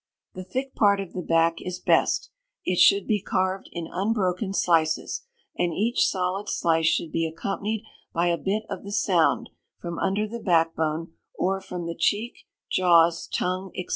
The thick part of the back is best. It should be carved in unbroken slices, and each solid slice should be accompanied by a bit of the sound, from under the back bone, or from the cheek, jaws, tongue, &c.